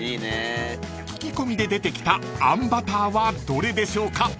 ［聞き込みで出てきたあんバターはどれでしょうか］